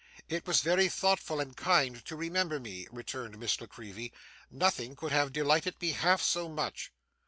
'It was very thoughtful and kind to remember me,' returned Miss La Creevy. 'Nothing could have delighted me half so much.